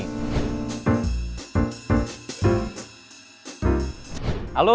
bagaimana proses rekrutmen bank indonesia